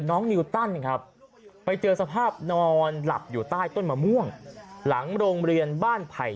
นิวตันครับไปเจอสภาพนอนหลับอยู่ใต้ต้นมะม่วงหลังโรงเรียนบ้านไผ่